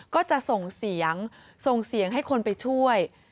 ก็จะส่งเสียงส่งเสียงให้คนไปช่วย